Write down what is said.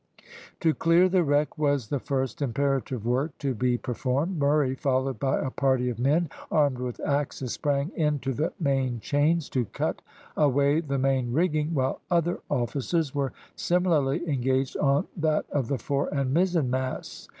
To clear the wreck was the first imperative work to be performed. Murray, followed by a party of men armed with axes, sprang into the main chains to cut away the main rigging, while other officers were similarly engaged on that of the fore and mizen masts.